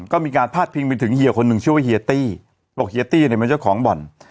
ก็มีการพาดพิงไปถึงเฮียคนหนึ่งชื่อว่าเฮียตี้บอกเฮียตี้เนี่ยเป็นเจ้าของบ่อน